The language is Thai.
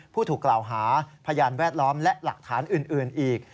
ผู้ถูกกล่าวหาพยานแวดล้อมและหลักฐานอื่นอีก